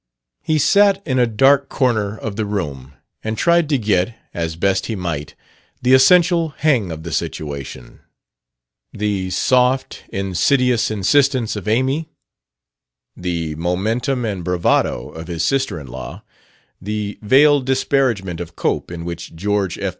He sat in a dark corner of the room and tried to get, as best he might, the essential hang of the situation: the soft, insidious insistence of Amy; the momentum and bravado of his sister in law; the veiled disparagement of Cope in which George F.